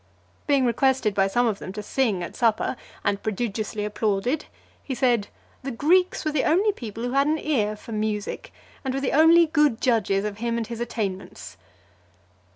Being requested by some of them to sing at supper, and prodigiously applauded, he said, "the Greeks were the only people who has an ear for music, and were the only good judges of him and his attainments."